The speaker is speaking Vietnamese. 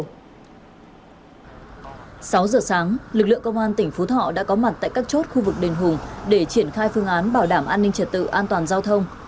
sáu giờ sáng lực lượng công an tỉnh phú thọ đã có mặt tại các chốt khu vực đền hùng để triển khai phương án bảo đảm an ninh trật tự an toàn giao thông